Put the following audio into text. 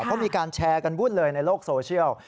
เขามีการแชร์กันวุ่นเลยในโลกโซเชียล